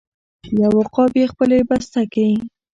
یو عقاب یې خپلې بسته کې